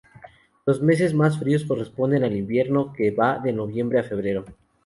Los meses más fríos corresponden al invierno, que va de noviembre a febrero.